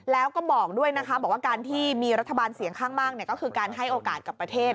แล้วก็บอกด้วยนะคะบอกว่าการที่มีรัฐบาลเสียงข้างมากก็คือการให้โอกาสกับประเทศ